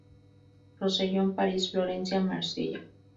Rosellón, París, Florencia, Marsella.